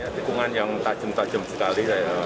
tikungan yang tajam tajam sekali